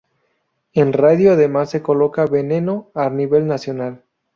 En radio además se coloca "Veneno" a nivel Nacional.